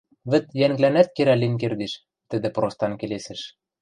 — Вӹд йӓнглӓнӓт керӓл лин кердеш, — тӹдӹ простан келесӹш.